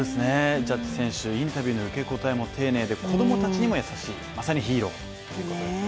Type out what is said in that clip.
ジャッジ選手インタビューの受け答えも丁寧で子供たちにも優しい、まさにヒーローということなんですね。